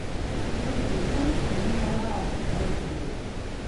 Iwakken kan ur ttxemmimeɣ ara ɣef texḍibt-iw.